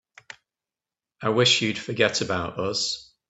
I wish you'd forget about us.